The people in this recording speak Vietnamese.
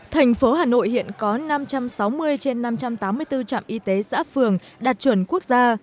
thành phố hà nội hiện có năm trăm sáu mươi trên năm trăm tám mươi bốn trạm y tế xã phường đạt chuẩn quốc gia